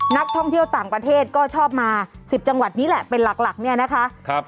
นักท่องเที่ยวต่างประเทศก็ชอบมา๑๐จังหวัดนี้แหละเป็นหลักเนี่ยนะคะ